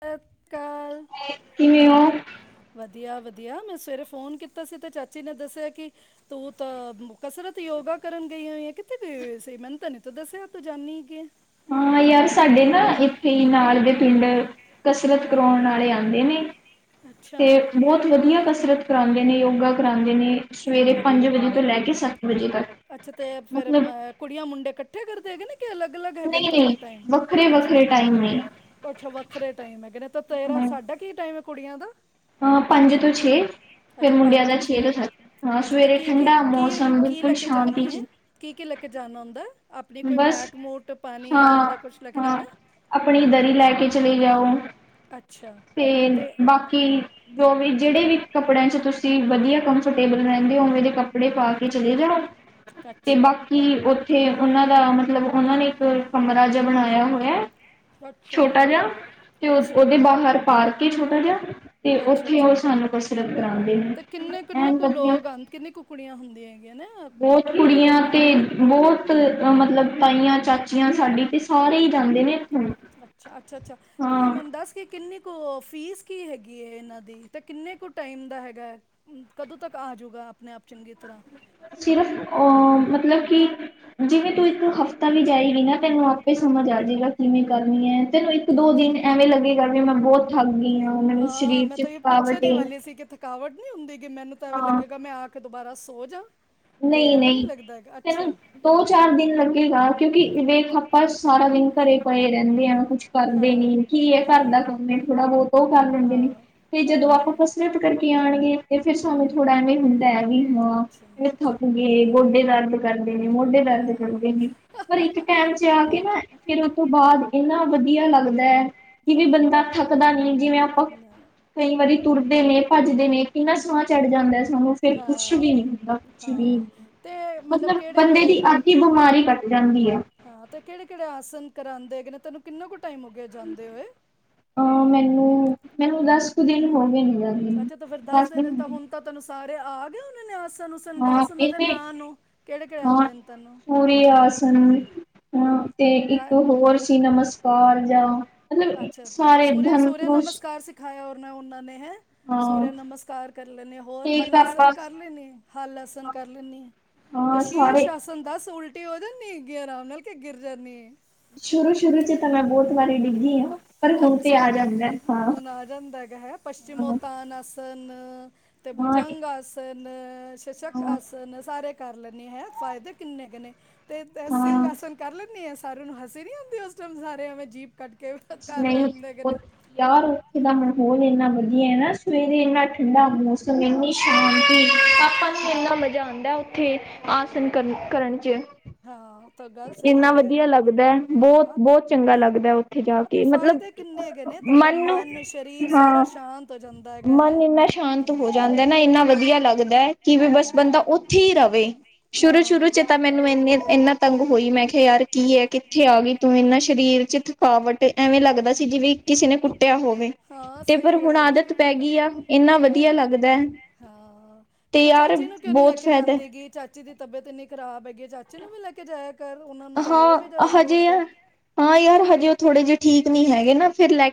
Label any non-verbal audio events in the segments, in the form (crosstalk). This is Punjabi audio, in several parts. ਤਰਕਾਲ। ਕਿਵੇਂ ਹੋ? ਵਧੀਆ-ਵਧੀਆ, ਮੈਂ ਸਵੇਰੇ ਫੋਨ ਕੀਤਾ ਸੀ ਤੇ, ਚਾਚੀ ਨੇ ਦੱਸਿਆ ਕਿ ਤੂੰ ਤਾਂ, ਕਸਰਤ ਯੋਗਾ ਕਰਨ ਗਈ ਹੋਈਂ ਏ, ਕਿੱਥੇ ਗਈ ਹੋਈ ਸੀ? ਮੈਨ ਤਾ ਨੀ ਤੁੰ ਦੱਸਿਆ ਤੂੰ ਜਾਂਨੀ ਗਈ। ਹਾਂ ਯਾਰ ਸਾਡੇ ਨਾ, ਇੱਥੇ ਨਾਲ ਦੇ ਪਿੰਡ ਕਸਰਤ ਕਰਾਉਣ ਵਾਲੇ ਆਉਂਦੇ ਨੇ। ਅੱਛਾ ਤੇ ਬਹੁਤ ਵਧੀਆ ਕਸਰਤ ਕਰਾਉਂਦੇ ਨੇ, ਯੋਗਾ ਕਰਾਂਦੇ ਨੇ। ਸਵੇਰੇ ਅੱਛ- ਪੰਜ ਵਜੇ ਤੋਂ ਲੈਕੇ, ਸੱਤ ਵਜੇ ਅੱਛਾ ਤੱਕ। ਤੇ ਫਿਰ ਅਮ, ਮਤਲਬ ਕੁੜੀਆਂ ਮੁੰਡੇ ਇਕੱਠੇ ਕਰਦੇ ਹੈਗੇ ਨੇ, ਕਿ ਅਲੱਗ-ਅਲੱਗ ਹੈਗੇਨ ਨਹੀਂ ਤੁਹਾਡੇ ਨਹੀਂ ਟਾਈਮ? ਵੱਖਰੇ ਅੱਛਾ। ਵੱਖਰੇ ਟਾਈਮ ਨੇ ਅੱਛਾ, ਵੱਖਰੇ ਟਾਈਮ ਹੈਗੇ ਨੇ ਤੇ ਤੇਰਾ ਹਾਂ ਸਾਡਾ ਕੀ ਟਾਈਮ ਹੈ ਕੁੜੀਆਂ ਦਾ? ਹਾਂ, ਪੰਜ ਤੋਂ ਛੇ ਫਿਰ ਅੱਛਾ, ਮੁੰਡਿਆਂ ਪੰਜ ਦਾ ਤੋਂ ਛੇ। ਸੱਤ ਹਾਂ ਅੱਛਾ ਤਾਂ ਸਵੇਰੇ ਕੀ, ਕੀ, ਠੰਡਾ ਕੀ, ਮੌਸਮ ਕੀ ਬਿਲਕੁਲ ਲੈ ਕੇ ਸ਼ਾਂਤੀ ਜਾਂਨੀ ਹੈ ਚ ਕੀ, ਕੀ ਲੈ ਕੇ ਜਾਣਾ ਹੁੰਦਾ। ਆਪਣੀ ਕੋਈ ਬਸ ਮੈਟ ਮੂਟ ਹਾਂ ਪਾਣੀ ਅਵੇ ਦਾ ਕੁਛ ਲੈਕੇ ਹਾਂ ਜਾਣਾ? ਆਪਣੀ ਦਰੀ ਲੈ ਕੇ ਚਲੇ ਜਾਓ ਅੱਛਾ ਫਿਰ ਤੇ ਬਾਕੀ। ਹੂੰ ਜੋ ਵੀ ਜਿਹੜੇ ਵੀ ਕੱਪੜਿਆਂ ਚ ਤੁਸੀਂ ਵਧੀਆ ਕੰਫਰਟੇਬਲ ਰਹਿੰਦੇ ਹੋ। ਉਵੇਂ ਦੇ ਕੱਪੜੇ ਪਾ ਕੇ ਚਲੇ ਜਾਓ। ਕ। ਤੇ ਬਾਕੀ ਉੱਥੇ ਉਹਨਾਂ ਦਾ ਮਤਲਬ ਉਹਨਾ ਨੇ ਇੱਕ ਕਮਰਾ ਜਿਹਾ ਬਣਾਇਆ ਹੋਇਆ। ਅੱਛਾ ਛੋਟਾ ਜਿਹਾ ਤੇ ਉਹ ਅੱਛਾ ਉਹਦੇ ਬਾਹਰ। ਪਾਰਕ ਏ ਛੋਟਾ ਜਿਹਾ ਤੇ ਅੱਛਾ ਉੱਥੇ ਅੱਛਾ ਉਹ ਸਾਨੂੰ ਕਸਰਤ ਕਰਾਉਣਗੇ। ਤੇ ਕਿੰਨੇ ਕਿੰਨੇ ਕੁ ਲੋਕ ਆਂਦੇ ਕਿੰਨੇ ਕੁੜੀਆਂ ਹੁੰਦੀਆਂ ਹੈ। ਬਹੁਤ ਕੁੜੀਆਂ। ਅਤੇ ਬਹੁਤ ਮਤਲਬ ਤਾਈਆਂ, ਚਾਚੀਆਂ ਸਾਡੀ ਅਤੇ ਸਾਰੇ ਹੀ ਜਾਂਦੇ ਨੇ। ਇੱਥੋਂ ਅੱਛਾ, ਅੱਛਾ, ਅੱਛਾ ਤੇ ਹਾਂ ਮੈਂਨੂੰ ਦੱਸ। ਕਿ ਕਿੰਨੀ ਕੁ ਫੀਸ ਕੀ ਹੈਗੀ ਹੈ ਇਹਨਾਂ ਦੀ ਤੇ ਕਿੰਨੇ ਕੁ ਟਾਈਮ ਦਾ ਹੈਗਾ ਹੈ। ਕਦੋਂ ਤੱਕ ਆ ਜੂਗਾ ਆਪਣੇ ਆਪ ਚੰਗੀ ਤਰ੍ਹਾਂ। ਸਿਰਫ ਉਹ ਮਤਲਬ ਕਿ। ਜਿਵੇਂ ਤੂੰ ਇੱਕ ਹਫ਼ਤਾ ਵੀ ਜਾਏਗੀ ਨਾ ਤੈਨੂੰ ਆਪੇ ਸਮਝ ਆ ਜਾਵੇਗਾ ਕਿਵੇਂ ਕਰਨੀ ਹੈ। ਤੈਨੂੰ ਇੱਕ ਦੋ ਅੱਛਾ ਦਿਨ ਐਵੇਂ ਲੱਗੇਗਾ ਵੀ ਮੈਂ ਬਹੁਤ ਥੱਕ ਗਈ ਹਾਂ ਮੈਨੂੰ ਹਾਂ ਸਰੀਰ ਮੈਂ ਚ ਤਾਂ ਇਹ ਪੁੱਛਣ ਥਕਾਵਟ ਹੀ ਏ। ਵਾਲੀ ਸੀ ਕਿ ਥਕਾਵਟ ਨਹੀਂ ਹੁੰਦੀ ਗ ਮੈਨੂੰ ਤਾਂ ਐਵੇਂ ਹਾਂ ਲੱਗੇਗਾ ਮੈਂ ਆ ਕੇ ਦੁਬਾਰਾ ਸੋ ਜਾ। ਤੇ ਨਹੀਂ ਐਵੇਂ ਨੀ ਨਹੀਂ ਲੱਗਦਾ ਗਾ ਤੈਨੂੰ ਅੱਛਾ। ਦੋ ਚਾਰ ਦਿਨ ਲੱਗੇਗਾ ਕਿਉਂਕਿ ਵੇਖ ਆਪਾਂ ਸਾਰਾ ਦਿਨ ਘਰੇ। ਪਏ ਰਹਿੰਦੇ ਆ ਕੁਛ ਕਰਦੇ ਹਾਂ ਨੀ ਕੀ ਇਹ ਘਰ ਦਾ ਹਾਂ ਕੰਮ ਏ ਥੋੜਾ ਬਹੁਤ ਉਹ ਕਰ ਲੈਂਦੇ ਨੇ। ਹਾਂ ਤੇ ਜਦੋਂ ਆਪਾਂ ਹਾਂ ਕਸਰਤ ਕਰਕੇ ਆਉਣਗੇ ਤੇ ਫਿਰ ਸਾਨੂੰ ਹੂੰ ਥੋੜਾ ਐਵੇਂ ਹੁੰਦਾ ਹੈ ਵੀ ਹਾਂ। ਅੱਛਾ ਥੱਕ ਗਏ ਹਾਂ ਗੋਡੇ ਦਰਦ ਕਰਦੇ ਨੇ ਮੋਢੇ ਹਾਂ ਦਰਦ ਕਰਦੇ ਨੇ ਪਰ ਹਾਂ ਇੱਕ ਟੈਮ ਚ ਆ ਕੇ ਨਾ। ਫਿਰ ਉਹ ਤੋਂ ਬਾਅਦ ਇੰਨਾ ਵਧੀਆ ਲੱਗਦਾ ਹੈ। ਕਿਵੇਂ ਬੰਦਾ ਨਾ, ਥੱਕਦਾ ਨਹੀਂ ਜਿਵੇਂ ਆਪਾਂ ਕਈ ਵਾਰੀ ਹਮ, ਤੁਰਦੇ ਨੇ ਭੱਜਦੇ ਨੇ ਕਿੰਨਾ ਸਾਹ। ਚੜ ਜਾਂਦਾ ਸਾਨੂੰ ਫੇਰ ਕੁਛ ਵੀ ਨੀ ਹਾਂ ਹੁੰਦਾ। ਕੁੱਛ ਨਹੀਂ ਹਾਂ ਤੇ ਮਤਲਬ ਕਿਹੜੇ ਬੰਦੇ ਕਿਹੜੇ ਦੀ ਅੱਧੀ ਹੂੰ ਬਿਮਾਰੀ ਘਟ ਜਾਂਦੀ ਹੈ। ਹਾਂ ਤੇ ਕਿਹੜੇ ਕਿਹੜੇ ਆਸਨ ਕਰਾਉਂਦੇ ਹੈਗੇ ਨੇ ਤੈਨੂੰ ਕਿੰਨਾ ਕੁ ਟਾਈਮ ਹੋ ਗਏ ਜਾਂਦੇ ਹੋਏ? ਅ ਮੈਨੂੰ ਮੈਨੂੰ ਦਸ ਕੁ ਦਿਨ ਹੋ ਗਏ ਨ ਜਾਂ। ਅੱਛਾ ਤਾਂ ਫੇਰ ਦੱਸ ਦਿਨ ਵਿੱਚ ਤਾਂ ਹੁਣ ਤਾਂ ਤੁੈਨੂੰ ਸਾਰੇ ਆ ਗਏ ਹੋਣੇ ਨੇ ਆਸਣ। ਤੁਹਾਨੂੰ ਹਾਂ ਦੱਸ ਉਹਨਾਂ ਦੇ ਇਹਨੇ ਨਾਂ ਨੂੰ ਕਿਹੜੇ ਕਿਹੜੇ ਆਉਂਦੇ ਨੇ ਤੈਨੂੰ ਪੁਰੀ ਆਸਨ ਹ ਤੇ ਇੱਕ ਕਰ ਹੋਰ ਸੀ ਨਮਸਕਾਰ ਜਿਹਾ। ਮਤਲਬ ਅੱਛਾ ਸਾਰੇ ਸੂਰਿਆ ਧਨ ਸੂਰਿਆ ਕੋਸ਼। ਨਮਸਕਾਰ ਸਿਖਾਇਆ ਔਰ ਨਾ ਉਹਨਾਂ ਨੇ ਹੈ। ਸੂਰਯ ਨਮਸਕਾਰ ਕਰ ਲੈਂਣੇ, ਹੋਰ ਠੀਕ ਹੱਲ ਆਸਨ ਆਪਾਂ ਕਰ ਲੈਂਣੇ ਹੱਲ ਆਸਨ ਕਰ ਲੈਂਣੀ ਆ। ਤੇ ਹਾਂ ਸੀਰਸ ਸਾਰੇ ਆਸਨ ਦੱਸ ਉਲਟੀ ਹੋ ਜਾਣੀ ਹੈਗੀ ਆਰਾਮ ਨਾਲ ਕੇ ਗਿਰ ਜਾਣੀ ਏ? ਸ਼ੁਰੂ ਸ਼ੁਰੂ ਚ ਤਾਂ ਮੈਂ ਬਹੁਤ ਵਾਰੀ ਡਿੱਗੀ ਹਾਂ। ਪਰ ਹੁਣ ਤੇ ਅੱਛਾ, ਆ ਜਾਂਦਾ ਹਾਂ। ਹੁਣ ਆ ਜਾਂਦਾ ਹੈਗਾ ਹੈ ਪੱਚਿਮੋਉਤਾਨ ਆਸਨ। ਤੇ ਹਾਂ ਭੁਜੰਗ ਆਸਨ ਸ਼ਸ਼ਕ ਹਾਂ ਆਸਨ। ਤੇ ਕਿੰਨੇ ਸਾਰੇ ਕਰ ਲੈਣੀ ਹੈ, ਫ਼ਾਇਦੇ ਕਿੰਨੇ ਹੈਗੇ ਨੇ ਤੇ ਸਿੰਘ ਹਾਂ ਆਸਨ ਕਰ ਲੈਨੀ ਏ? ਸਾਰਿਆਂ ਨੂੰ ਹਸੀ ਨੀ ਆਉਂਦੀ ਉਸ ਟਾਈਮ ਸਾਰੇ ਐਵੇਂ ਜੀਭ ਕੱਢ ਕੇ ਕਰ ਰਹੇ ਨਹੀਂ ਹੁੰਦੇ ਹੇਗੇ ਨੇ। ਉਹ ਯਾਰ ਉੱਥੇ ਦਾ ਮਾਹੌਲ ਇੰਨਾ ਵਧੀਆ ਨਾ ਸਵੇਰੇ ਇੰਨਾ ਠੰਡਾ ਮੌਸਮ ਇਨੀ। ਸਬ ਪਾਸੇ ਇੰਨਾ ਮਜ਼ਾ ਆਉਂਦਾ ਉੱਥੇ ਆਸਨ ਕਰਨ ਕਰਨ ਚ। ਹਾਂ ਤਾਂ ਗੱਲ ਸਹੀ ਇੰਨਾ ਏ, ਕਿੰਨਾਂ ਵਧੀਆ ਵੱਧੀਆ ਲੱਗਦਾ ਨਾ ਬਹੁਤ ਬਹੁਤ ਚੰਗਾ ਲੱਗਦਾ, ਉੱਥੇ ਜਾ ਹਾਂ ਤੇ ਕੇ ਮਤਲਬ ਫਾਇਦੇ। ਕਿੰਨੇ ਹੈਗੇ ਨੇ ਤੁਹਾਡਾ ਮਨ ਸਰੀਰ ਸਾਰਾ ਹਾਂ ਸ਼ਾਂਤ ਹੋ ਜਾਂਦਾ ਹੈਗਾ ਹੈ। ਮਨ ਇੰਨਾ ਸ਼ਾਂਤ ਹੋ ਹੂੰ ਜਾਂਦਾ ਨਾ ਇੰਨਾ ਵਧੀਆ ਲੱਗਦਾ ਹੈ। ਕਿ ਵੀ ਬਸ ਹਾਂ ਬੰਦਾ ਉੱਥੇ ਹੀ ਰਹੇ ਸ਼ੁਰੂ ਸ਼ੁਰੂ ਹਾਂ ਚ ਤਾਂ। ਮੈਨੂੰ ਇੰਨੇ ਇੰਨਾ ਤੰਗ ਹੋਈ ਮੈਂ ਕਿਹਾ ਯਾਰ ਕੀ ਹੈ ਕਿ। ਇੱਥੇ ਆ ਗਈ ਤੂੰ ਇਨਾ ਸਰੀਰ ਚ ਥਕਾਵਟ ਐਵੇਂ ਲੱਗਦਾ ਸੀ ਜਿਵੇਂ ਕਿਸੇ ਨੇ ਕੁੱਟਿਆ ਹੋਵੇ। ਹਾਂ ਤੇ ਪਰ ਸਹੀ ਹੁਣ ਗੱਲ ਹੈ ਆਦਤ ਪੈ ਗਈ ਆ ਇੰਨਾ ਵਧੀਆ ਹਾਂ ਲੱਗਦਾ ਹੈ ਹਾਂ ਤੇ ਫਿਰ ਯਾਰ ਚਾਚੀ ਨੂੰ ਕਿਉਂ ਨੀ ਲੈ ਬਹੁਤ ਕੇ ਫਾਇਦਾ ਜਾਂਦੇ ਗੀ ਚਾਚੀ ਦੀ ਤਬੀਅਤ ਇੰਨੀ ਖ਼ਰਾਬ ਹੈਗੀ ਚਾਚੀ ਨੂੰ ਵੀ ਲੈ ਕੇ ਜਾਇਆ ਕਰ ਉਹਨਾਂ ਨੂੰ ਤਾਂ ਹੋਰ ਵੀ ਜਿਆਦਾ ਹਾਂ ਹਜੇ ਜ਼ਰੂਰਤ ਹੈ ਆ ਹਾਂ ਯਾਰ ਹਜੇ ਉਹ ਥੋੜੇ ਜਿਹੇ ਠੀਕ ਨੀ ਹੈਗੇ ਨਾ ਫਿਰ ਲੈ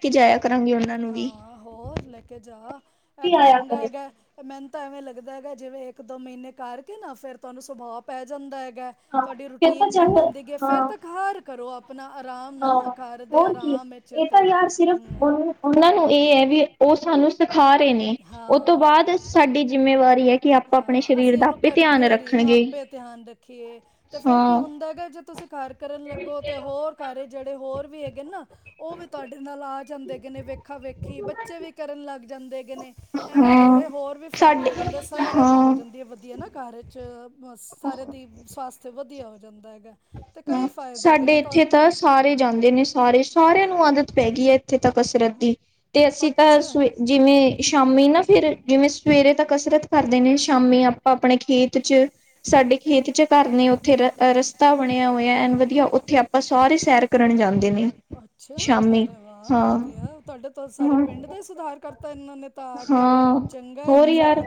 ਕੇ ਉਹਨਾਂ ਨੂੰ ਹਾਂ ਵੀ। ਹਾਂ ਹੋਰ ਲੈਕੇ ਜਾ ਇਹ ਵੀ ਤੇ ਆਇਆ ਚੰਗਾ ਕਰੇ ਹੈਗਾ। ਮੈਨ ਤਾਂ ਐਵੇਂ ਲੱਗਦਾ ਹੈਗਾ, ਜਿਵੇਂ ਇੱਕ ਦੋ ਮਹੀਨੇ ਕਰਕੇ ਨਾ ਫਿਰ ਤੁਹਾਨੂੰ ਸੁਭਾ ਪੈ ਜਾਂਦਾ ਹੈਗਾ। ਹਾਂ ਤੁਹਾਡੀ ਫਿਰ ਤਾਂ ਰੂਟੀਨ ਬਣ ਚੱਲ ਜਾਂਦੀ ਗ ਫਿਰ ਹਾਂ ਤਾਂ ਖਾਰ ਕਰੋ ਆ (unintelligible) ਅਪਨਾ ਆਰਾਮ ਨਾਲ ਹਾਂ ਨਾ ਘਰ ਦੇ ਆਰਾਮ ਵਿੱਚ ਤੇ ਹੂੰ ਉਹ ਉਹਨਾਂ ਨੂੰ ਇਹ ਹੈ ਵੇ ਉਹ ਸਾਨੂੰ ਸਿਖਾ ਰਹੇ ਨੇ, ਉਹ ਤੋਂ ਹਾਂ ਬਾਅਦ ਸਾਡੀ ਜਿੰਮੇਵਾਰੀ ਏ ਕਿ ਆਪਾਂ ਆਪਣੇ ਹਾਂ ਸ਼ਰੀਰ ਅਸੀਂ ਦਾ ਇਹਨੂੰ ਧਿਆਨ ਕਰਦੇ ਰਹੀਏ ਰੱਖਣਗੇ ਆਪੇ ਧਿਆਨ ਰੱਖੇ ਤੇ ਫੇਰ ਕੀ ਹਾਂ ਹੁੰਦਾ ਹੈਗਾ ਜੇ ਤੁਸੀਂ ਘਰ ਕਰਨ ਲੱਗੋ ਤੇ ਹੋਰ ਘਰ ਚ ਜਿਹੜੇ ਹੋਰ ਵੀ ਹੈਗੇ ਨਾ ਉਹ ਵੀ ਤੁਹਾਡੇ ਨਾਲ ਆ ਜਾਂਦੇ ਨੇ ਵੇਖਾ ਵੇਖੀ ਬੱਚੇ ਵੀ ਕਰਨ ਲੱਗ ਜਾਂਦੇ ਹੈਗੇ ਨੇ, ਏਵੇਂ ਹਾਂ ਬੜੇ ਹੋਰ ਵੀ ਫਾਇਦੇ ਸਾਡੇ ਹੋ ਜਾਂਦੇ ਸਾਰਿਆਂ ਦੀ ਹੋ ਹਾਂ ਜਾਂਦੀ ਏ, ਵਧੀਆ ਨਾ ਕਾਰਜ ਵਿੱਚ ਸਾਰੇ ਦੀ ਸਵਸਥ ਵਧੀਆ ਹੋ ਜਾਂਦਾ ਹੈਗਾ। (unintelligible) ਕਈ ਹਾਂ, ਫਾਇਦੇ ਹੈਗੇ ਸਾਡੇ ਨੇ ਇੱਥੇ ਤਾਂ ਹੂੰ। ਸਾਰੇ ਜਾਂਦੇ ਨੇ ਸਾਰੇ, ਸਾਰਿਆਂ ਨੂੰ ਆਦਤ ਪੈ ਗਈ ਹੈ ਇੱਥੇ ਤਾਂ ਕਸਰਤ ਦੀ ਤੇ ਅਸੀਂ ਤਾਂ ਅੱਛਾ ਸਵੇ ਜਿਵੇਂ ਸ਼ਾਮੀ ਨਾ ਫਿਰ ਜਿਵੇਂ ਸਵੇਰੇ ਤਾ ਕਸਰਤ ਕਰਦੇ ਨੇ ਸ਼ਾਮੀ ਆ ਆਪਣੇ ਖੇਤ ਚ ਸਾਡੇ ਖੇਤ ਚ ਘਰ ਨੇ ਉੱਥੇ ਰ ਰਸਤਾ ਤਾ ਬਣਿਆ ਹੋਇਆ ਐਨ ਵੱਧੀਆ ਉੱਥੇ ਆਪਾਂ ਸਾਰੇ ਸੈਰ ਕਰਨ ਜਾਂਦੇ ਨੇ ਅੱਛਾ ਸ਼ਾਮੀ। ਅਰੇ ਵਾਹ ਹਾਂ ਵਧੀਆ ਤੁਹਾਡੇ ਤੇ ਸਾਰੇ ਹਾਂ ਪਿੰਡ ਦਾ ਹੀ ਸੁਧਾਰ ਕਰ ਦਿੱਤਾ ਇਹਨਾਂ ਨੇ ਤੇ ਆ ਕੇ ਹਾਂ ਚੰਗਾ ਹੋਰ ਹੈਗਾ ਫੇਰ ਯਾਰ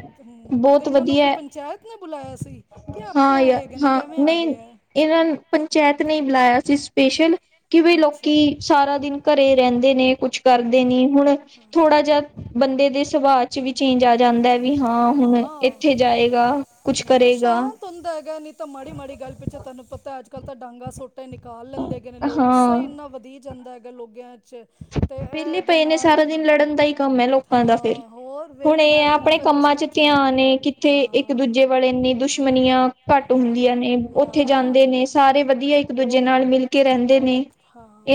ਤੇ ਬਹੁਤ ਇਹਨਾਂ ਨੂੰ ਕੀ ਵਧੀਆ ਪੰਚਾਇਤ ਨੇ ਬੁਲਾਇਆ ਸੀ ਕਿ ਆਪੇ ਹਾਂ ਯ ਆਏ ਹੈਗੇ ਨੇ ਹਾਂ ਕੈਵੇ ਆ ਗਏ ਨਹੀਂ ਇਹ। ਇਹਨਾਂ ਨ ਪੰਚਾਇਤ ਨੇ ਈ ਬੁਲਾਇਆ ਸੀ ਸਪੈਸ਼ਲ ਕਿਵੇ ਅੱਛਾ ਲੋਕੀ ਸਾਰਾ ਦਿਨ ਘਰੇ ਰਹਿੰਦੇ ਨੇ। ਕੁਛ ਹਾਂ ਕਰਦੇ ਨੀ ਹਾਂ ਹੁਣ ਥੋੜਾ ਜਿਹਾ ਬੰਦੇ ਦੇ ਸੁਭਾਅ ਚ ਵੀ ਚੇਂਜ ਆ ਜਾਂਦਾ ਵੀ ਹਾਂ, ਹੁਣ ਹਾਂ ਇੱਥੇ ਜਾਏਗਾ। ਕੁਛ ਨਾ, ਕਰੇਗਾ ਸ਼ਾਂਤ ਹੁੰਦਾ ਹੈਗਾ ਨਹੀਂ ਤਾਂ ਮਾੜੀ-ਮਾੜੀ ਗੱਲ ਪਿੱਛੋਂ ਤੈਨੂੰ ਪਤਾ ਅੱਜ ਕੱਲ੍ਹ ਤਾਂ ਡਾਂਗਾ ਸੋਟ ਤੇ ਨਿਕਾਲ ਲੈਂਦੇ ਹੈਗੇ ਨੇ ਲੋਕ ਗੁੱਸਾ ਹਾਂ ਹੀ ਇੰਨਾ ਵਧੀ ਜਾਂਦਾ ਹੈਗਾ ਲੋਗਾ ਚ। ਤੇ ਵਿਹਲੇ ਇਹਦੇ ਪਏ ਨੇ ਨਾਲ ਸਾਰਾ ਦਿਨ ਲੜਨ ਹਾਂ ਦਾ ਹੀ ਕੰਮ ਹੈ ਲੋਕਾਂ ਦਾ ਤੇ, ਹਾਂ ਹੋਰ ਹੁਣ ਵਿਹਲੇ ਇਹ ਬਹਿ ਹੈ ਕੇ ਤਾਂ ਆਪਣੇ ਫਿਰ ਕੁਛ ਕੰਮਾਂ ਨਾ ਚ ਕੁਛ ਹੋਣਾ ਧਿਆਨ ਏ ਕਿ ਉੱਥੇ ਇੱਕ ਹਾਂ ਦੂਜੇ ਵਾਲੇ ਇੰਨੀ ਦੁਸ਼ਮਨੀਆਂ ਘੱਟ ਹਾਂ ਹੁੰਦੀਆਂ ਨੇ ਉੱਥੇ ਹਾਂ ਜਾਂਦੇ ਨੇ ਸਾਰੇ ਵੱਧੀਆ ਇੱਕ ਦੂਜੇ ਨਾਲ ਮਿਲ ਕੇ ਰਹਿੰਦੇ ਨੇ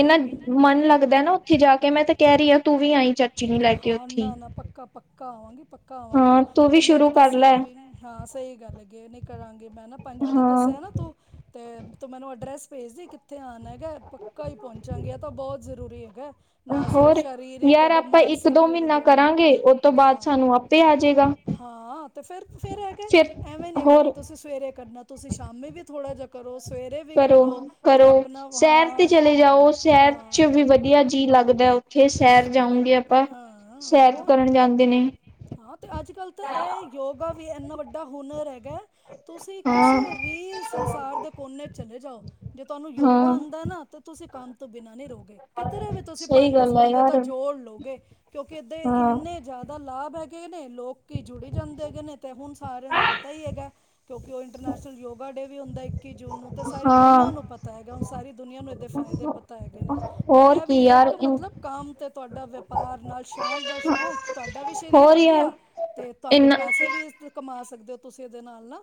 ਇੰਨਾ ਮਨ ਲੱਗਦਾ ਨਾ ਓ ਉੱਥੇ ਜਾ ਕੇ ਮੈਂ ਤੇ ਕਹ ਰਹੀ ਆ, ਤੂੰ ਵੀ ਆਈ ਚਾਚੀ ਨੂੰ ਲੈ ਕੇ ਉੱਥੇ। ਪੱਕਾ-ਪੱਕਾ ਆਵਾਂਗੀ ਪੱਕਾ ਆਵਾਂਗੀ ਹਾਂ ਤੂੰ ਤੇ ਵੀ ਮੇਰਾ ਸ਼ੁਰੂ ਤੇ ਕਰ ਲੈ ਸੀਂ ਵੀ ਨੇ, ਹਾਂ ਸਹੀ ਗੱਲ ਹੈਗੀ ਏ। ਕਰਾਂਗੀ ਮੈਂ ਨਾ ਪੰਜ ਵਜੇ ਹਾਂ ਦੱਸਿਆ ਨਾ ਤੂੰ ਤੇ ਤੂੰ ਮੈਨੂੰ ਐਡਰੈਸ ਭੇਜ ਦੀ ਕਿੱਥੇ ਆਨਾ। ਪੱਕਾ-ਪੱਕਾ ਹੀ ਪਹੁੰਚਾਂਗੇ ਇਹ ਤੇ ਬਹੁਤ ਜ਼ਰੂਰੀ ਹੈਗਾ ਨਾ ਸਿਰਫ ਹੋਰ ਸ਼ਰੀਰਿਕ ਯਾਰ ਤੁਹਾਡਾ ਆਪਾਂ ਇੱਕ ਮਾਨਸਿਕ ਵੀ ਮਹੀਨਾ ਵਧੀਆ ਹੁੰਦਾ ਕਰਾਂਗੇ ਉਹ ਤੋਂ ਬਾਅਦ ਹਾਂ ਸਾਨੂੰ ਆਪੇ ਆ ਜਾਏਗਾ। ਹਾਂ ਤੇ ਫੇਰ ਫੇਰ ਹੈਗੇ ਫਿਰ ਐਵੇਂ ਨੀ ਹੈਗਾ ਕਿ ਹੋਰ ਤੁਸੀਂ ਸਵੇਰੇ ਕਰਨਾ, ਤੁਸੀਂ ਸ਼ਾਮੀ ਵੀ ਥੋੜ੍ਹਾ ਜਿਹਾ ਸਵੇਰੇ ਵੀ ਕਰੋ ਤੇ ਕਰੋ ਆਪਣਾ ਸੈਰ ਤੇ ਹਾਂ ਚਲੇ ਜਾਓ ਸੈਰ ਹਾਂ। ਚ ਵੀ ਵਧੀਆ ਜੀ ਲਾਗਦਾ ਉੱਥੇ ਸੈਰ ਜਾਊਂਗੇ ਆਪਾਂ, ਹਾਂ ਸੈਰ ਹੋਰ ਕਰਨ ਜਾਂਦੇ ਨੇ ਹਾਂ ਤੇ ਅੱਜ ਕੱਲ੍ਹ ਤੇ ਇਹ ਯੋਗਾ ਵੀ ਇਨਾਂ ਵੱਡਾ ਹੁਨਰ ਹੈਗਾ ਤੁਸੀਂ ਹਾਂ ਕਿਸੇ ਵੀ ਸੰਸਾਰ ਦੇ ਕੋਨੇ ਚ ਚਲੇ ਜਾਓ ਜੇ ਤੁਹਾਨੂੰ ਯੋਗਾ ਹਾਂ ਆਦਾ ਨਾ ਤਾਂ ਤੁਸੀਂ ਕੰਮ ਤੋਂ ਬਿਨਾ ਨੀ ਰੋਗੇ ਕਿੱਧਰੇ ਵੀ ਤੁਸੀਂ ਸਹੀ ਪੰਜ ਦਸ ਗੱਲ ਆ ਬੰਦੇ ਯਾਰ ਤਾਂ ਜੋੜ ਲੋਗੇ। ਕਿਉਂਕਿ ਇਦੇ ਹਾਂ ਇੰਨੇ ਜਾਦਾ ਲਾਭ ਹੈਗੇ ਨੇ ਲੋਕੀ ਜੁੜੀ ਜਾਂਦੇ ਹੇਗੇ ਨੇ ਤੇ ਹੁਨ ਸਾਰਿਆਂ ਨੂੰ ਪਤਾ ਹੀ ਹੈਗਾ ਕਿਉਂਕਿ ਉਹ ਇੰਟਰਨੈਸ਼ਨਲ ਯੋਗਾ ਡੇ ਵੀ ਹੁੰਦਾ ਇੱਕੀ ਜੂਨ ਨੂੰ ਤੇ ਸਾਰੀ ਦੁਨੀਆਂ ਹਾਂ ਨੂੰ ਪਤਾ ਹੈਗਾ ਹੁਨ ਸਾਰੀ ਦੁਨੀਆਂ ਨੂੰ ਦੇ ਫਾਇਦੇ ਪਤਾ ਹੈਗੇ ਨੇ ਤੇ ਹੋਰ ਇਹ ਵੀ ਕੀ ਏਕ ਯਾਰ ਮਤਲਬ ਕੰਮ ਤੇ ਤੁਹਾਡਾ ਵਪਾਰ ਨਾਲ ਸ਼ੌਂਕ ਦਾ ਸ਼ੌਕ ਤੁਹਾਡਾ ਵੀ ਸ਼ਰੀਰ ਹੋਰ ਯਾਰ ਵਧੀਆ ਤੇ ਤੁਹਾਡੇ ਇਨਾ ਪੈਸੇ ਵੀ ਇਸ ਕਮਾ ਸਕਦੇ ਓ ਤੁਸੀਂ ਇਹਦੇ ਨਾਲ ਨਾ।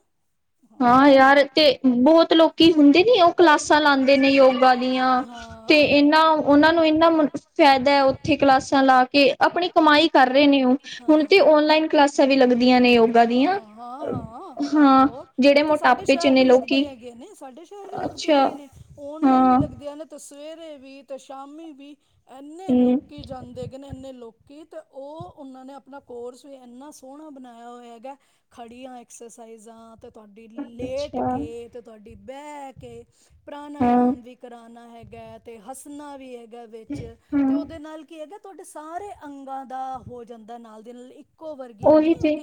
ਹਾਂ ਯਾਰ ਤੇ ਬਹੁਤ ਲੋਕੀ ਹੁੰਦੇ ਨੀ ਉਹ ਕਲਾਸਾਂ ਲਾਦੇ ਨੇ ਯੋਗਾ ਦੀਆਂ ਤੇ ਹਾਂ ਇਹਨਾਂ ਉਹਨਾਂ ਨੂੰ ਇਨਾਂ ਫਾਇਦਾ ਉੱਥੇ ਕਲਾਸਾਂ ਲਾ ਕੇ ਆਪਣੀ ਕਮਾਈ ਕਰ ਰਹੇ ਨੇ ਉਹ ਹੁਣ ਤੇ ਹਾਂ ਓਨਲਾਈਨ ਕਲਾਸਾਂ ਵੀ ਲੱਗਦੀਆਂ ਨੇ ਯੋਗਾ ਦੀਆਂ ਜਿਹੜੇ ਇਥੋਂ ਮੋਟਾਪੇ ਚ ਸ਼ਹਿਰ ਨੇ ਵੀ ਲੋਕੀ ਲੱਗਦੇ ਹੈਗੇ ਨੇ ਸਾਡੇ ਸ਼ਹਿਰ ਵੀ ਲੱਗਦੇ ਅੱਛਾ ਹੈਗੇ ਨੇ ਓਨਲਾਈਨ ਵੀ ਹਾਂ ਲੱਗਦੇ ਹਨ। ਤੇ ਸਵੇਰੇ ਵੀ ਤੇ ਸ਼ਾਮੀ ਵੀ ਇੰਨੇ ਹੂੰ ਲੋਕ ਕੀ ਜਾਂਦੇ ਹੈਗੇ ਨੇ ਇੰਨੇ ਲੋਕੀ ਤੇ ਉਹ ਉਹਨਾਂ ਨੇ ਆਪਣਾ ਕੋਰਸ ਵੀ ਇੰਨਾ ਸੋਹਣਾ ਬਣਾਇਆ ਹੋਇਆ ਹੈਗਾ ਖੜੀਆਂ ਐਕਸਰਸਾਈਜ਼ਾਂ ਤੇ ਤੁਹਾਡੀ ਲੇਟ ਅੱਛਾ ਕੇ ਤੇ ਤੁਹਾਡੀ ਬਹਿ ਕੇ ਹਾਂ ਪ੍ਰਾਣਾਯਾਮ ਵੀ ਕਰਾਉਣਾ ਹੈਗਾ ਹੈ ਅਤੇ ਹੱਸਣਾ ਵੀ ਹੈ ਗਾ ਵਿੱਚ ਤੇ ਹਾਂ ਉਹਦੇ ਨਾਲ ਕੀ ਹੈਗਾ ਤੁਹਾਡੇ ਸਾਰੇ ਅੰਗਾਂ ਦਾ ਹੋ ਜਾਂਦਾ ਨਾਲ ਦੀ ਨਾਲ ਇੱਕੋ ਵਰ ਉਹੀ ਤੇ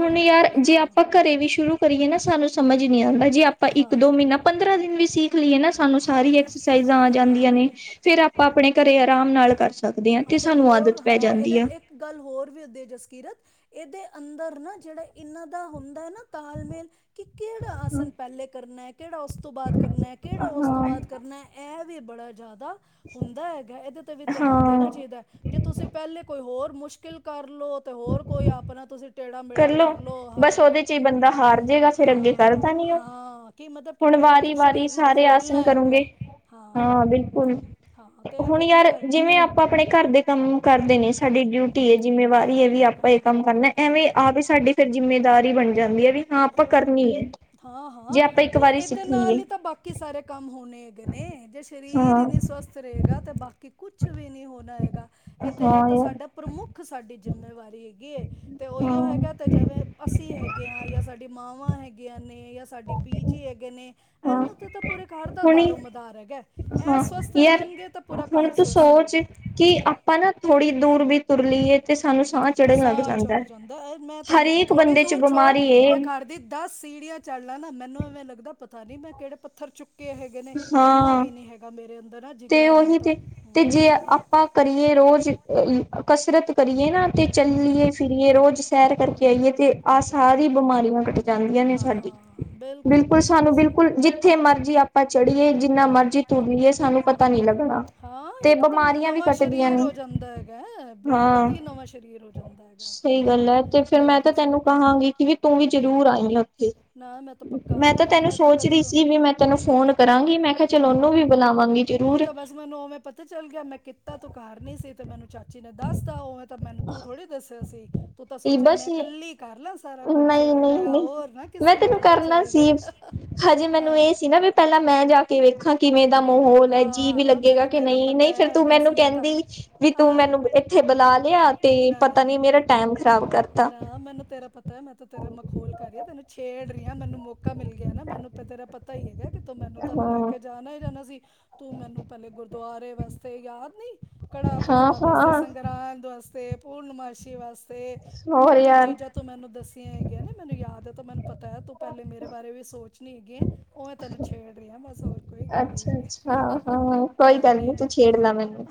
ਹੁਣ ਯਾਰ ਜੇ ਆਪਾਂ ਘਰੇ ਵੀ ਸ਼ੁਰੂ ਕਰੀਏ ਨਾ ਸਾਨੂੰ ਸਮਝ ਨੀ ਆਉਂਦਾ ਜੇ ਆਪਾਂ ਹਾਂ ਇੱਕ ਦੋ ਮਹੀਨਾ ਪੰਦਰਾਂ ਦਿਨ ਵੀ ਸਿੱਖ ਲਈਏ ਨਾ ਸਾਨੂੰ ਹਾਂ ਸਾਰੀ ਐਕਸਰਸਾਈਜ਼ਾਂ ਆ ਹਾਂ ਜਾਂਦੀਆਂ ਨੇ। ਹਾਂ ਫੇਰ ਤੇ ਆਪਾਂ ਆਪਣੇ ਘਰੇ ਆਰਾਮ ਨਾਲ ਕਰ ਸਕਦੇ ਹਾਂ ਤੇ ਸਾਨੂੰ ਹੋਰ ਆਦਤ ਪੈ ਹਾਂ ਜਾਂਦੀ ਇਹਦੇ ਚ ਆ। ਇੱਕ ਗੱਲ ਹੋਰ ਵੀ ਹੁੰਦੀ ਹੈ ਜਸਕੀਰਤ। ਇਹਦੇ ਅੰਦਰ ਨਾ ਜਿਹੜਾ ਇਹਨਾਂ ਦਾ ਹੁੰਦਾ ਹੈ ਨਾ ਤਾਲਮੇਲ ਕਿ ਕਿਹੜਾ ਆਸਨ ਪਹਿਲੇ ਕਰਨਾ ਕਿਹੜਾ ਉਸ ਤੋਂ ਬਾਅਦ ਕਰਨਾ ਕਿਹੜਾ ਉਸ ਤੋਂ ਹਾਂ ਬਾਅਦ ਕਰਨਾ ਇਹ ਵੀ ਬੜਾ ਜ਼ਿਆਦਾ ਹੁੰਦਾ ਹੈਗਾ ਇਹਦੇ ਤੇ ਵੀ ਧਿਆਨ ਹਾਂ ਦੇਣਾ ਚਾਹੀਦਾ ਹੈ। ਜੇ ਤੁਸੀਂ ਪਹਿਲੇ ਕੋਈ ਹੋਰ ਮੁਸ਼ਕਿਲ ਕਰ ਲਓ ਤੇ ਹੋਰ ਕੋਈ ਆਪਣਾ ਤੁਸੀਂ ਟੇੜਾ ਮੇੜਾ ਕਰਲੋ ਬਸ ਹਾਂ, ਹਾਂ। ਉਹਦੇ ਚ ਹੀ ਬੰਦਾ ਹਾਰ ਜੇਗਾ ਫਿਰ ਅੱਗੇ ਕਰਦਾ ਨੀ ਉਹ ਹਾਂ ਕੀ ਮਤਲਬ ਕਿ ਹੁਣ ਪਹਿਲੇ ਵਾਰੀ ਵਾਰੀ ਸ਼ਰੀਰ ਨੂੰ ਸਾਰੇ ਆਸਨ ਖੋਲਣਾ ਹੈਗਾ ਕਰੋਗੇ ਹਾ ਹਾਂ ਬਿਲਕੁਲ ਹਮ। ਹਾਂ ਤੇ ਇਹ ਹੁਣ ਯਾਰ ਵਧੀਆ ਹੈ ਜਿਵੇਂ ਆਪਾਂ ਆਪਣੇ ਘਰ ਦੇ ਕੰਮ ਕਰਦੇ ਨੇ ਸਾਡੀ ਡਿਊਟੀ ਹੈ ਜਿੰਮੇਵਾਰੀ ਹੈ ਵੀ ਆਪ ਆਪਾਂ ਇਹ ਹਮ ਕੰਮ ਕਰਨਾ ਐਵੇਂ ਆਪ ਹੀ ਸਾਡੀ ਫਿਰ ਜਿੰਮੇਦਾਰੀ ਬਣ ਜਾਂਦੀ ਹੈ ਵੀ ਹਾਂ ਆਪਾਂ ਕਰਨੀ ਹੈ। ਹਾਂ-ਹਾਂ ਜੇ ਆਪਾਂ ਇੱਕ ਤੇ ਵਾਰੀ ਇਹਦੇ ਸਿੱਖ ਨਾਲ ਲਈਏ ਹੀ ਤਾਂ ਬਾਕੀ ਸਾਰੇ ਕੰਮ ਹੋਣੇ ਹੈਗੇ ਨੇ ਜੇ ਸ਼ਰੀਰ ਹਾਂ ਇਨੀ ਸਵਸਥ ਰਹੇਗਾ ਤੇ ਬਾਕੀ ਕਿ ਕੁਛ ਵੀ ਨੀ ਹੋਣਾ ਹੈਗਾ ਇਹਦੇ ਇਹ ਹਾਂ ਤਾਂ ਯਾਰ ਸਾਡਾ ਪ੍ਰਮੁੱਖ ਸਾਡੀ ਜਿੰਮੇਵਾਰੀ ਹੈਗੀ ਏ। ਤੇ ਹਾਂ ਉਹੀਓ ਹੈਗਾ ਅਤੇ ਜਿਵੇਂ ਅਸੀਂ ਹੈਗੇ ਹਾਂ ਜਾਂ ਸਾਡੀ ਮਾਵਾਂ ਹੈਗੀਆਂ ਨੇ। ਜਾਂ ਸਾਡੀ ਬੀਜੀ ਹੈਗੇ ਨੇ ਹਾਂ ਇਹਨੂੰ ਤੇ ਤਾਂ ਪੂਰੇ ਘਰ ਦਾ ਹੁਣ ਦਾਰੋ ਮਦਾਰ ਹੈਗਾ। ਇਹ ਹਾਂ ਸਵਸਥ ਯਾਰ ਰਹਿਣਗੇ ਤਾਂ ਪੂਰਾ ਹੁਣ ਘਰ ਤੂੰ ਸਵਸਥ ਸੋਚ ਰਹੇਗਾ ਕਿ ਆ ਪਾ ਨਾ ਥੋੜੀ ਦੂਰ ਵੀ ਤੁਰ ਲਈਏ ਤੇ ਸਾਨੂੰ ਸਾਹ ਚੜ੍ਹਨ ਲੱਗ ਸਾਹ ਚੜ ਜਾਂਦਾ, ਐ ਮੈਂ ਤੁਹਾਨੂੰ ਹਰੇਕ ਥੋੜ੍ਹੀ ਬੰਦੇ ਚ ਦੂਰ ਛੋੜ ਬਿਮਾਰੀ ਏ। ਮੈਂ ਘਰ ਦੀ ਦਸ ਸੀੜੀਆਂ ਚਾੜ ਲਾ ਨਾ ਮੈਨੂੰ ਇਵੇਂ ਲੱਗਦਾ ਪਤਾ ਨੀ ਮੈਂ ਕਿਹੜੇ ਪੱਥਰ ਚੁੱਕ ਕੇ ਹੈਗੇ ਨੇ ਇੰਨਾ ਹਾਂ ਵੀ ਨੀ ਹੈਗਾ ਮੇਰੇ ਅੰਦਰ ਤੇ ਜਿਗਰਾ ਹੁਣ ਉਹੀ ਤਾਂ ਤੇ, ਹੂੰ ਤੇ ਜੇ ਆਪਾਂ ਕਰੀਏ ਰੋਜ਼ ਕਸਰਤ ਕਰੀਏ ਨਾ ਤੇ ਚੱਲੀਏ ਹੂੰ ਫਿਰਏ ਰੋਜ਼ ਸੈਰ ਕਰਕੇ ਆਈਏ ਤੇ ਆਹ ਸਾਰੀ ਬਿਮਾਰੀਆਂ ਕੱਟ ਜਾਂਦੀਆਂ ਨੇ ਹਾਂ ਸਾਡੀ। ਹਾਂ ਬਿਲਕੁਲ ਸਾਨੂੰ ਸਹੀ ਬਿਲਕੁਲ ਜਿੱਥੇ ਮਰਜੀ ਆਪਾਂ ਚੜੀਏ ਜਿੰਨਾ ਮਰਜੀ ਤੁਰ ਲਈਏ ਸਾਨੂੰ ਪ ਹਾਂ ਇੱਕਦਮ ਨਵਾਂ ਕੱਟਦੀਆਂ ਸਰੀਰ ਨੇ ਹੋ ਜਾਂਦਾ ਹੈਗਾ। ਹਾਂ ਕਤੀ ਨਵਾਂ ਸਰੀਰ ਹੋ ਜਾਂਦਾ ਹੈਗਾ ਹਾਂ ਬਿਲਕੁਲ ਸ ਵੀਖ ਵੀ ਤੂੰ ਵੀ ਜ਼ਰੂਰ ਆਈ ਆ ਉੱਥੇ। ਨਾ ਮੈਂ ਤਾਂ ਪੱਕਾ ਮੈਂ ਆਣਾ ਤਾਂ ਹੈ ਤੈਨੂੰ ਸੋਚ ਕਦੋਂ ਰਹੀ ਸੀ ਤੋਂ ਵੀ ਮੈਂ ਤੈਨੂੰ ਫੋਨ ਕਰਾਂਗੀ ਮੈਂ ਕਿਹਾ ਚਲੋ ਉਹਨੂੰ ਹਾਂ ਵੀ ਬੁਲਾਵਾਂਗੀ। ਉਹ ਜ਼ਰੂਰ ਤਾਂ ਬਸ ਮੈਨੂੰ ਉਵੇਂ ਪਤਾ ਚੱਲ ਗਿਆ ਮੈਂ ਕਿ ਕੀਤਾ ਤੂੰ ਘਰ ਨ ਸੀ ਤੇ ਮੈਨੂੰ ਚਾਚੀ ਨੇ ਦੱਸਤਾ ਉ ਤਾਂ ਮੈਨੂੰ ਤੂੰ ਥੋੜ੍ਹੀ ਦੱਸਿਆ ਸੀ। ਤੂੰ ਤਾਂ ਸੋਚਿਆ, ਬਸ ਮੈਂ ਕੱਲੀ ਕਰ ਲਾ ਸਾਰਾ ਕੁਛ ਨਹੀਂ ਨਹੀਂ ਇਹ ਨਹੀਂ ਹੋਰ ਨਾ ਮੈਂ ਕਿਸੇ ਨੂੰ ਤੈਨੂੰ ਪਤਾ ਕਰਨਾ ਚੱਲ ਜੇ। ਸੀ ਹਜੇ ਮੈਨੂੰ ਹਾਂ ਇਹ ਸੀ ਨਾ ਵੀ ਪਹਿਲਾਂ ਮੈਂ ਜਾ ਕੇ ਵੇਖਾਂ ਕਿਵੇਂ ਦਾ ਮਾਹੌਲ ਐ ਜੀਅ ਹਾਂ ਵੀ ਹਾਂ ਲੱਗੇਗਾ। ਮੈਨੂੰ ਕੀ ਤੇਰਾ ਨਈ, ਪਤਾ ਨਈ ਫ਼ਿਰ ਹੈ ਤੂੰ ਬਸ ਮੈਨੂੰ ਮੈਂ ਤਾਂ ਕਹਿੰਦੀ ਵੀ ਤੂੰ ਆਹ ਮੈਨੂੰ ਇਥੇ ਬੁਲਾ ਲਿਆ ਤੇ ਪਤਾ ਨੀ ਨਾ ਮੇਰਾ ਟਾਈਮ ਖ ਮੈਨੂੰ ਤੇਰਾ ਪ ਮੈਂ ਤਾ ਤੇਰਾ ਮਖੌਲ ਕਰ ਰਹੀ ਆ ਤੈਨੂੰ ਛੇੜ ਰਹੀ ਆ ਮੈਨੂੰ ਮੌਕਾ ਮਿਲ ਗਿਆ ਨਾ ਮੈਨੂੰ ਤੇਰਾ ਪਤਾ ਹੀ ਹੈਗਾ ਕਿ ਤੋਂ ਮੈਨੂੰ ਤਾਂ ਲੈ ਹਾਂ ਕੇ ਜਾਣਾ ਹੀ ਜਾਣਾ ਸੀ ਤੂੰ ਮੈਨੂੰ ਪਹਿਲੇ ਗੁਰਦੁਆਰੇ ਵਾਸਤੇ ਯਾਦ ਨੀ ਕੜਾ ਹਾਂ ਪ੍ਰਸ਼ਾਦ ਵਾਸਤੇ ਹਾਂ ਰਾਂਦ ਵਾਸਤੇ ਪੂਰਨਮਾਸ਼ੀ ਵਾਸਤੇ ਹੋਰ ਕਿੰਨੀ ਯਾਰ ਚੀਜ਼ਾਂ ਤੂੰ ਮੈਨੂੰ ਦੱਸੀਆਂ ਹੈਗੀਆਂ ਨੇ ਮੈਨੂੰ ਯਾਦ ਹੈ ਤਾਂ ਮੈਨੂੰ ਪਤਾ ਹੈ ਤੂੰ ਪਹਿਲੇ ਮੇਰੇ ਬਾਰੇ ਵੀ ਸੋਚ ਨਹੀਂ ਹੈਗੀ ਏ। ਓਵੇਂ ਤੁਹਾਨੂੰ ਛੇੜ ਰਹੀ ਆ ਬਸ ਹੋਰ ਕੋਈ ਗੱਲ ਨੀ ਅੱਛਾ ਹੈਗੀ ਅੱਛਾ ਕੋਈ ਹਾਂ, ਗੱਲ ਨਹੀਂ ਨੀ ਤੂੰ ਨਹੀਂ ਛੇੜ ਲਾ ਮੈਨੂੰ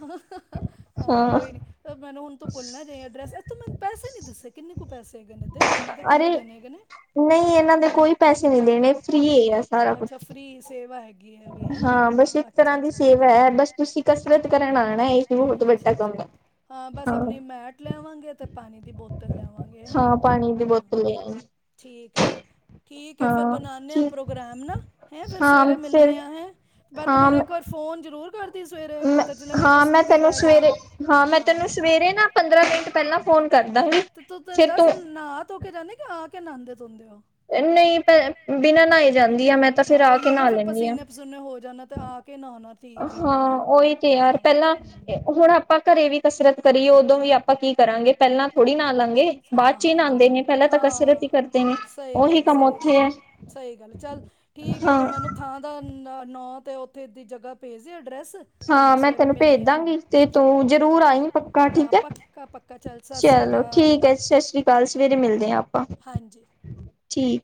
ਹਾਂ। ਕੋਈ ਨੀ ਮੈਨੂੰ ਤੂੰ ਹੁਣ ਭੁੱਲਣਾ ਨਾ ਜਾਈਂ ਐਡਰਸ ਆ ਤੂੰ ਮੈਨ ਪੈਸੇ ਨੀ ਦੱਸੇ ਕਿੰਨ ਕੁ ਪੈਸੇ ਹੈਗੇ ਨੇ ਏਦੇ। ਅਰੇ ਨਹੀਂ ਇਹਨਾਂ ਦੇ ਕੋਈ ਪੈਸੇ ਨੀ ਦੇਣੇ ਫਰੀ ਏ ਆ ਸਾਰਾ ਕੁਛ। ਕੀ ਸੇਵਾ ਹੈਗੀ ਐ। ਹਾਂ, ਬਸ ਇੱਕ ਤਰ੍ਹਾਂ ਦੀ ਸੇਵਾ ਐ ਬਸ ਤੁਸੀਂ ਕਸਰਤ ਕਰਨ ਆਣਾ ਇਹੀ ਬਹੁਤ ਵੱਡਾ ਕੰਮ ਐ। ਹਾਂ, ਹਾਂ, ਬਸ ਆਪਣੀ ਮੈਟ ਲਿਆਵਾਂਗੇ ਤੇ ਪਾਣੀ ਦੀ ਬੋਤਲ ਲਿਆਵਾਂਗੇ ਹੈ। ਹਾਂ ਪਾਣੀ ਦੀ ਬੋਤਲ ਲੈ ਆਈ ਠੀਕ ਹੈਗਾ। ਠੀਕ ਐ। ਫੇਰ ਹਾਂ ਬਨਾਣੇ ਆ ਠੀਕ ਪ੍ਰੋਗਰਾਮ ਨਾਹੈ ਫੇਰ ਹਾਂ ਸਵੇਰੇ ਫਿਰ ਮਿਲਣੇ ਆ ਹੈ ਪਰ ਤੂੰ ਹਾਂ ਮੈਨੂੰ ਇੱਕ ਵਾਰ ਫ਼ੋਨ ਜ਼ਰੂਰ ਕਰਦੀ ਸਵੇਰੇ ਮੈਂ ਪਤਾ ਚਲੇ ਮੈਂ ਤਾਂ ਹਾਂ ਸੁੱਤੇ ਹੀ ਤੈਨੂੰ ਰਹਿ ਜਾ। ਸਵੇਰੇ ਹਾਂ, ਮੈਂ ਤੈਨੂੰ ਸਵੇਰੇ ਨਾ ਪੰਦਰਾਂ ਮਿੰਟ ਪਹਿਲਾਂ ਫੋਨ ਕਰਦਾ ਤੇ ਤੇ ਫਿਰ ਦੱਸ ਤੂੰ ਨਹਾ ਧੋ ਕੇ ਜਾਂਦੇ। ਕਿ ਆ ਕੇ ਨਾਂਦੇ ਧੋਂਦੇ ਓ। ਨਹੀਂ, ਬਿਨਾਂ ਨਹਾਈ ਜਾਂਦੀ ਆ ਮੈਂ ਤਾਂ ਹਾਂ ਫਿਰ ਆ ਕੇ ਉਹੀਓ ਨਾ ਨਾਂਅ ਫਿਰ ਲੈਣੀ ਆ। ਪਸੀਨੇ ਪਸੂਨੇ ਹੋ ਜਾਣਾ ਤੇ ਆ ਕੇ ਨਹਾਉਣਾ ਠੀਕ ਹੈਗਾ ਹਾਂ, ਹਨਾ। ਉਹੀ ਤੇ ਹਾਂ ਯਾਰ ਹੂੰ। ਪਹਿਲਾਂ ਹੁਣ ਆਪਾਂ ਘਰੇ ਵੀ ਕਸਰਤ ਕਰੀਏ ਉਦੋਂ ਵੀ ਆਪਾਂ ਕੀ ਕਰਾਂਗੇ ਪਹਿਲਾਂ ਥੋੜ੍ਹੀ ਨਾ ਲਾਂਗੇ ਬਾਅਦ ਹਾਂ ਚ ਹੀ ਹਾਂ ਨਾਂਦੇ ਨੇ। ਪਹਿਲਾਂ ਹਾਂ ਤਾਂ ਕਸਰਤ ਹੀ ਹਾਂ, ਕਰਦੇ ਨੇ ਸਹੀ ਉਹੀ ਗੱਲ, ਕੰਮ ਸਹੀ ਉੱਥੇ ਗੱਲ, ਹੈ ਸਹੀ ਗੱਲ ਚੱਲ ਠੀਕ ਐ, ਹਾਂ ਤੋਂ ਮੈਨੂੰ ਥਾਂ ਦਾ ਨ ਨੋ ਤੇ ਉੱਥੇ ਦੀ ਜਗ੍ਹਾ ਭੇਜਦੇ ਐਡਰੈਸ। ਤੇ ਹਾਂ, ਮੈਂ ਸਵੇਰੇ ਤੈਨੂੰ ਭੇਜ ਮਿਲਣੀ ਆ ਤੈਨੂੰ ਦਾਂਗੀ ਤੇ ਚੱਲ ਤੂੰ ਜਰੂਰ ਆਈ ਪੱਕਾ ਹਾਂ ਠੀਕ ਐ। ਪੱਕਾ ਪੱਕਾ ਚੱਲ ਸਤਿ ਸ਼੍ਰੀ ਚਲੋ ਅਕਾਲ ਠੀਕ ਐ, ਸਤਿ ਸ੍ਰੀ ਅਕਾਲ ਸਵੇਰੇ ਮਿਲਦੇ ਆ ਆਪਾਂ (unintelligible) ਠੀਕ,